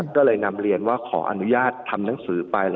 ก็เลยนำเรียนว่าขออนุญาตทำหนังสือไป